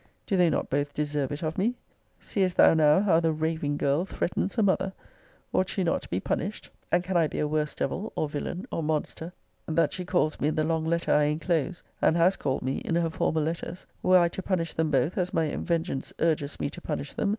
Do they not both deserve it of me? Seest thou now how the raving girl threatens her mother? Ought she not to be punished? And can I be a worse devil, or villain, or monster, that she calls me in the long letter I enclose (and has called me in her former letters) were I to punish them both as my vengeance urges me to punish them?